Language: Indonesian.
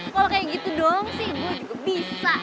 wow kayak gitu doang sih gue juga bisa